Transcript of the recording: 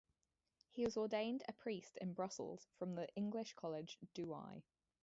He was ordained a priest in Brussels from the English College, Douai.